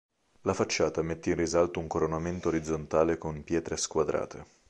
La facciata mette in risalto un coronamento orizzontale con pietre squadrate.